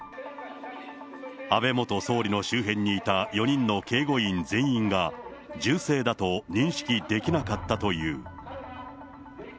安倍元総理の周辺にいた４人の警護員全員が、銃声だと認識できなかったという。